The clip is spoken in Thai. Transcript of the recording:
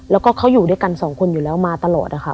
แล้วก็เขาอยู่ด้วยกันสองคนอยู่แล้วมาตลอดนะคะ